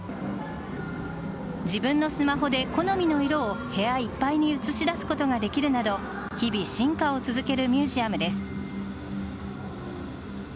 自分のスマホで好みの色を部屋いっぱいに映し出すことができるなど日々進化を続けるミュージアムです。